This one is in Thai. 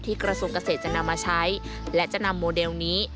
กระทรวงเกษตรจะนำมาใช้และจะนำโมเดลนี้